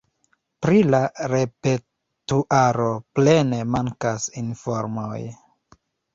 Pri la repertuaro plene mankas informoj.